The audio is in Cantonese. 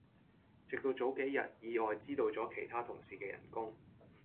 直到早幾日意外知道咗其他同事既人工